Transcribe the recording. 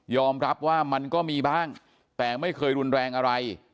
รับว่ามันก็มีบ้างแต่ไม่เคยรุนแรงอะไร